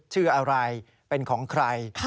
ชื่ออะไรเป็นของใคร